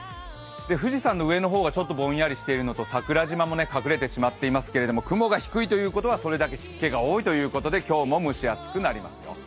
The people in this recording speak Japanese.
富士山の上の方はちょっとぼんやりしているのと桜島も隠れてしまっていますけれども雲が低いということは、それだけ湿気も多いということで、今日も蒸し暑くなりますよ。